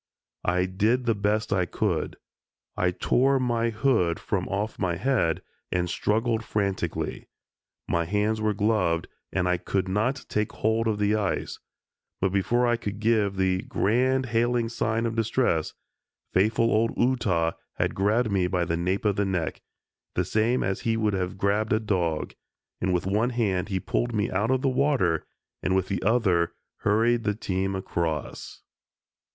I did the best I could. I tore my hood from off my head and struggled frantically. My hands were gloved and I could not take hold of the ice, but before I could give the "Grand Hailing Sigh of Distress," faithful old Ootah had grabbed me by the nape of the neck, the same as he would have grabbed a dog, and with one hand he pulled me out of the water, and with the other hurried the team across.